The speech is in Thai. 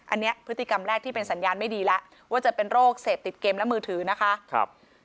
อันนี้พฤติกรรมแรกที่เป็นสัญญาณไม่ดีแล้วว่าจะเป็นโรคเสพติดเกมและมือถือนะคะ